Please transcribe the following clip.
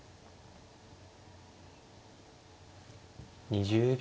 ２０秒。